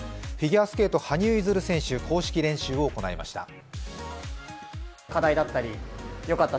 フィギュアスケート・羽生結弦選手公式練習を行いました。